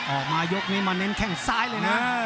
ออกมายกนี้มาเน้นแข้งซ้ายเลยนะ